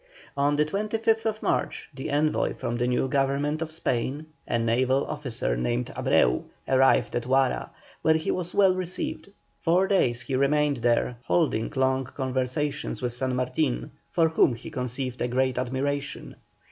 On the 25th March the envoy from the new Government of Spain, a naval officer named Abreu, arrived at Huara, where he was well received. Four days he remained there, holding long conversations with San Martin, for whom he conceived a great admiration.